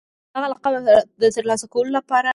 د دغه لقب د ترلاسه کولو لپاره